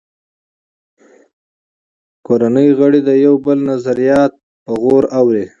کورنۍ غړي د یو بل نظریات په غور اوري